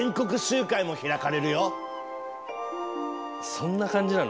そんな感じなの？